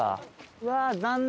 うわー残念。